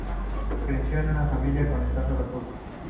Creció en una familia con escasos recursos.